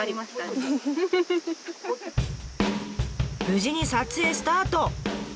無事に撮影スタート。